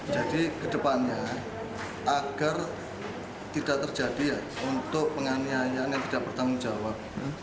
jadi ke depannya agar tidak terjadi ya untuk penganiayaan yang tidak bertanggung jawab